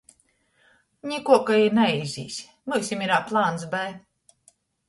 Nikuo, ka i naizīs, myusim irā plans B.